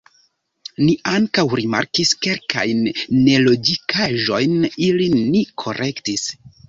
Ni ankaŭ rimarkis kelkajn nelogikaĵojn ilin ni korektis.